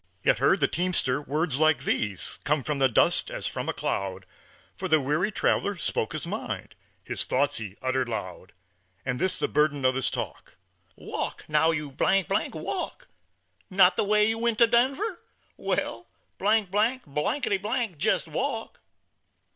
Yet heard the teamster words like these Come from the dust as from a cloud, For the weary traveler spoke his mind. His thoughts he uttered loud, And this the burden of his talk: "Walk, now, you , walk! Not the way you went to Denver? Walk, ! Jest walk!